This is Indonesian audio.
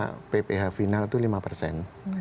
dulu kami kan mengenai pph final itu lima persen